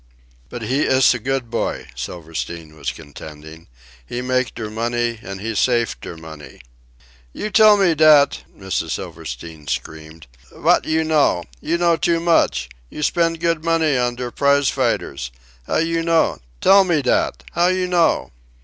"But he iss a good boy," Silverstein was contending. "He make der money, an' he safe der money." "You tell me dat!" Mrs. Silverstein screamed. "Vat you know? You know too much. You spend good money on der prize fighters. How you know? Tell me dat! How you know?"